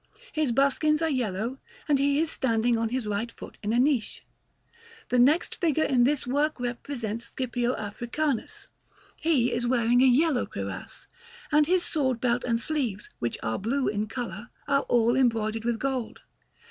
His buskins are yellow, and he is standing on his right foot in a niche. The next figure in this work represents Scipio Africanus. He is wearing a yellow cuirass, and his sword belt and sleeves, which are blue in colour, are all embroidered with gold.